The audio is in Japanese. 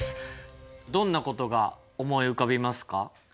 どんなことが思い浮かびますか？